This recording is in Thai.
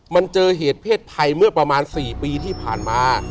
มันเจอเหตุเพศภัยเมื่อประมาณ๔ปีที่ผ่านมา